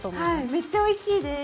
めっちゃおいしいです！